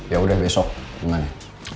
yaudah besok gimana